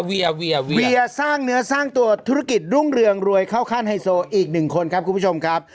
เวียสร้างเนื้อสร้างตัวธุรกิจรุ่งเรืองรวยเข้าขั้นไฮโซอีกหนึ่งคนครับคุณผู้ชมครับ